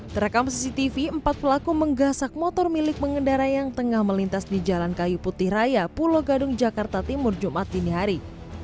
terekam cctv empat pelaku menggasak motor milik pengendara yang tengah melintas di jalan kayu putih raya pulau gadung jakarta timur jumat dinihari